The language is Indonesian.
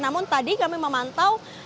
namun tadi kami memantau